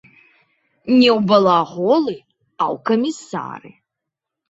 Не ў балаголы, а ў камісары.